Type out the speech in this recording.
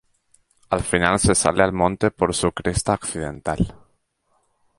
Al final se sale al monte por su cresta occidental.